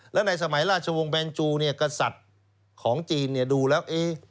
แล้วในสมัยราชวงศ์แบนจูเนี่ยกษัตริย์ของจีนดูแล้ว